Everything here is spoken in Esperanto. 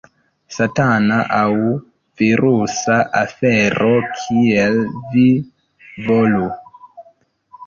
Satana aŭ virusa afero: kiel vi volu.